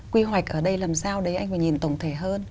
quy hoạch ở đây làm sao đấy anh phải nhìn tổng thể hơn